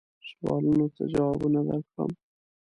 سوالونو ته جوابونه درکړم.